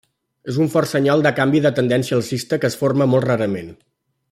És un fort senyal de canvi de tendència alcista que es forma molt rarament.